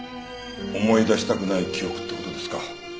思い出したくない記憶って事ですか。